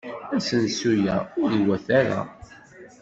Asensu-a ur iwata ara.